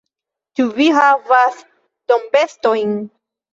Ĉu vi havas dombestojn?